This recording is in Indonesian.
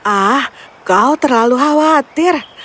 ah kau terlalu khawatir